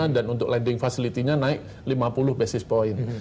dan untuk lending facility nya naik lima puluh basis point